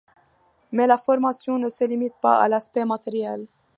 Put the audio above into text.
Mais la formation ne se limite pas à l’aspect matériel.